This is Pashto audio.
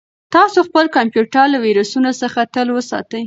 تاسو خپل کمپیوټر له ویروسونو څخه تل وساتئ.